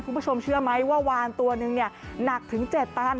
คุณผู้ชมเชื่อไหมว่าวานตัวนึงหนักถึง๗ตัน